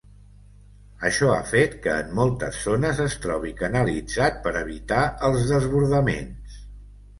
Això ha fet que en moltes zones es trobi canalitzat per evitar els desbordaments.